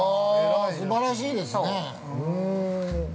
◆すばらしいですね。